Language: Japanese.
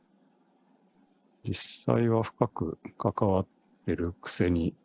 実際は深く関わっているくせに。